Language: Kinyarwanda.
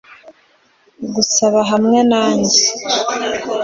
gusaza hamwe nanjye